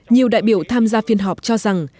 nhiều đại biểu tham gia phiên họp cho rằng